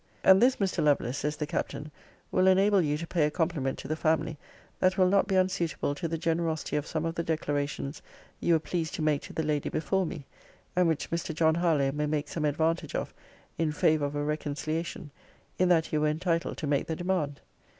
'And this, Mr. Lovelace, (says the Captain,) will enable you to pay a compliment to the family, that will not be unsuitable to the generosity of some of the declarations you were pleased to make to the lady before me, (and which Mr. John Harlowe may make some advantage of in favour of a reconciliation,) in that you were entitled to make the demand.'